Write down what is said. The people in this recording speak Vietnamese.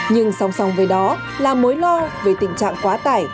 nhưng song song với đó là mối lo về tình trạng quá tải